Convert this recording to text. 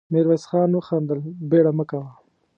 ميرويس خان وخندل: بېړه مه کوه.